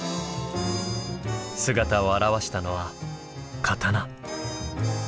姿を現したのは刀。